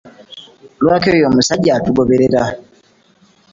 Lwaki oyo omusajja atugoberera?